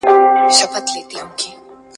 يو ښه سياستوال کولای سي بحرانونه حل کړي.